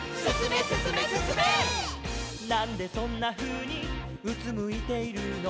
「なんでそんなふうにうつむいているの」